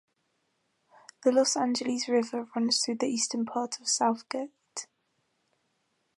The Los Angeles River runs through the eastern part of South Gate.